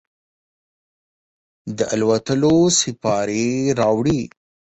د الوتلوسیپارې راوړي